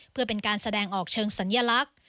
เพื่อเป็นการแสดงออกเชิงสัญลักษณ์